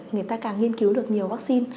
người ta càng nghiên cứu được nhiều vaccine